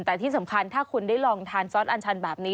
แต่ที่สำคัญถ้าคุณได้ลองทานซอสอันชันแบบนี้